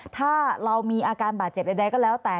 ถ้าเรามีอาการบาดเจ็บใดก็แล้วแต่